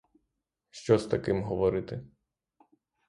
Що з таким говорити?